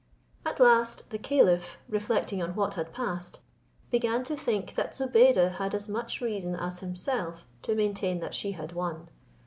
At last the caliph, reflecting on what had passed, began to think that Zobeide had as much reason as himself to maintain that she had won.